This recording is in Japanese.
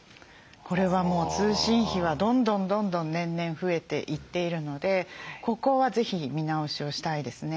これはもう通信費はどんどんどんどん年々増えていっているのでここは是非見直しをしたいですね。